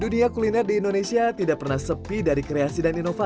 dunia kuliner di indonesia tidak pernah sepi dari kreasi dan inovasi